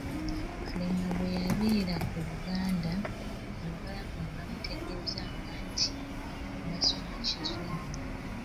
Kalema bwe yabeera ku Buganda, Abawarabu ne bamutegeezanga nti basoma kizungu.